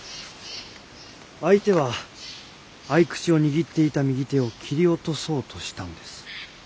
相手は匕首を握っていた右手を切り落とそうとしたんです。